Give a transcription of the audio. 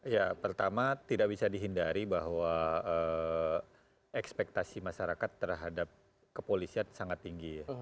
ya pertama tidak bisa dihindari bahwa ekspektasi masyarakat terhadap kepolisian sangat tinggi ya